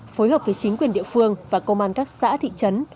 một trăm linh phối hợp với chính quyền địa phương và công an các xã thị trấn